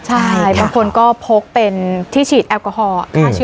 ใช่บางคนก็พกเป็นที่ฉีดแอลกอฮอล์